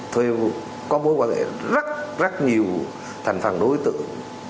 thuê có mối quan hệ rất rất nhiều thành phần đối tượng